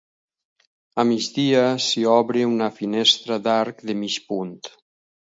A migdia s'hi obre una finestra d'arc de mig punt.